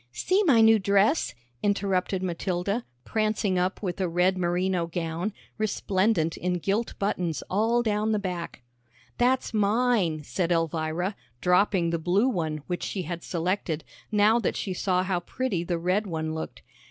"See my new dress," interrupted Matilda, prancing up with a red merino gown, resplendent in gilt buttons all down the back. "That's mine," said Elvira, dropping the blue one, which she had selected, now that she saw how pretty the red one looked.